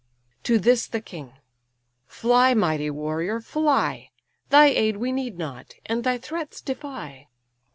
To this the king: "Fly, mighty warrior! fly; Thy aid we need not, and thy threats defy.